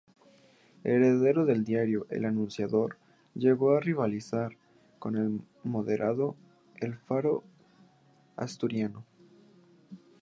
Heredero del diario "El Anunciador", llegó a rivalizar con el moderado "El Faro Asturiano".